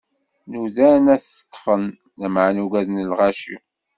Nudan ad t-ṭṭfen, lameɛna ugaden lɣaci.